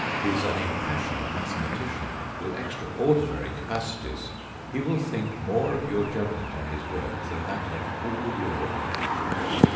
He is an impassioned mathematician with extraordinary capacities. ... He will think more of your judgment on his work than that of all Europe."